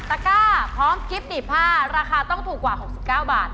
ตาก้าคอมกิฟต์๑๕ราคาต้องถูกกว่า๖๙บาท